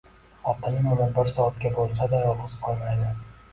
Xotinim uni bir soatga bo`lsa-da yolg`iz qo`ymaydi